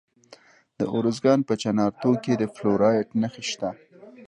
د ارزګان په چنارتو کې د فلورایټ نښې شته.